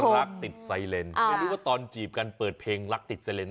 รักติดไซเลนไม่รู้ว่าตอนจีบกันเปิดเพลงรักติดไซเลนส